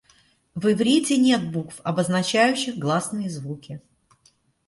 В иврите нет букв, обозначающих гласные звуки.